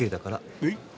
えっ？